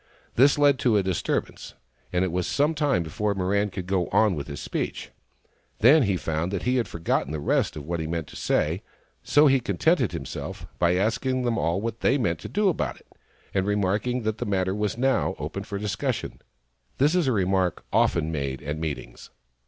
This led to a disturbance, and it was some time before Mirran could go on again with his speech. Then he found he had forgotten the rest of what he meant to say, so he contented himself by asking them all what they meant to do about it, and remark ing that the matter was now open for discussion. This is a remark often made at meetings.